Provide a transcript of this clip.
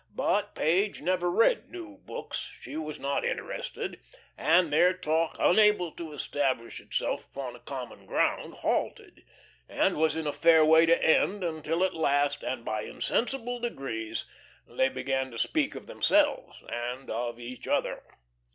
But Page never read new books; she was not interested, and their talk, unable to establish itself upon a common ground, halted, and was in a fair way to end, until at last, and by insensible degrees, they began to speak of themselves and of each other.